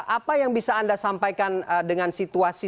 apa yang bisa anda sampaikan dengan situasi